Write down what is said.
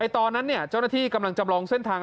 ตอนนั้นเจ้าหน้าที่กำลังจำลองเส้นทาง